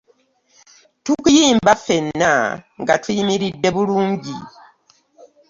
Tukiyimba ffena nga tuyimiridde bulungi.